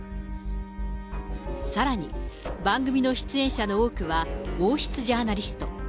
さらに、番組の出演し、王室ジャーナリスト。